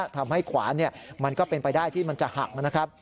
ทำให้ขวานมันก็เป็นไปได้ที่จะหัก